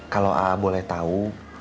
kalau a'a boleh tahu